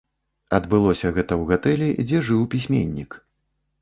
Адбылося гэта ў гатэлі, дзе жыў пісьменнік.